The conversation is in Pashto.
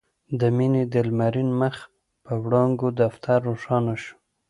د مينې د لمرين مخ په وړانګو دفتر روښانه شو.